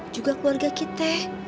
juga keluarga kita